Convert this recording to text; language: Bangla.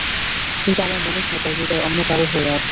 কিন্তু আমার মনে হয়, তার হৃদয় অন্য কারও হয়ে আছে।